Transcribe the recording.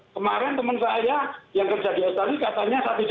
kemarin temen saya yang kerja di australia katanya rp satu ratus dua puluh